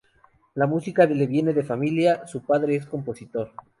La música le viene de familia, su padre es compositor.